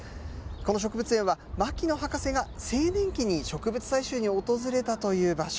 この植物園は、牧野博士が青年期に植物採集に訪れた場所。